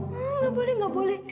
hmm gak boleh gak boleh